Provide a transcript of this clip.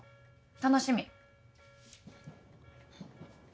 楽しみ。